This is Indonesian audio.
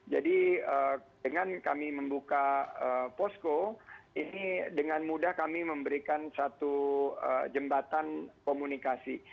jadi dengan kami membuka posko ini dengan mudah kami memberikan satu jembatan komunikasi